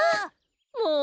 もう！